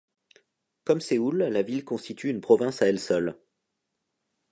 Comme Séoul, la ville constitue une province à elle seule.